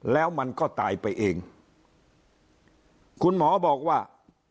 แล้วมันก็ตายไปเองคุณหมอบอกว่า